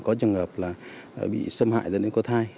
có trường hợp bị xâm hại nên có thai